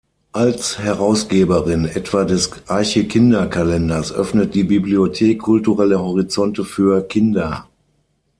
Als Herausgeberin etwa des „Arche Kinder Kalenders“ öffnet die Bibliothek kulturelle Horizonte für Kinder.